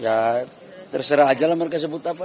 ya terserah aja lah mereka sebut apa